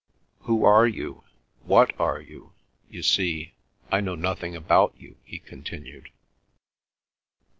"Who are you, what are you; you see, I know nothing about you," he continued.